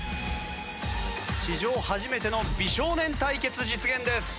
史上初めての美少年対決実現です。